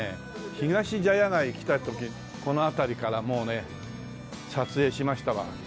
ひがし茶屋街来た時この辺りからもうね撮影しましたわ。